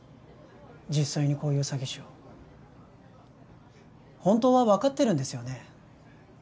実際にこういう詐欺師を本当は分かってるんですよね？